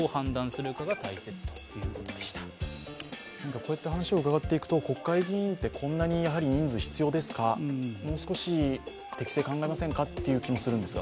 こうやって話を伺っていくと、国会議員ってこんなに人数必要ですか、もう少し適正考えませんかっていう気がするんですが。